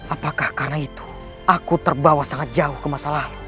apakah karena itu aku terbawa sangat jauh ke masalahmu